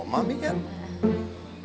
oh mami kan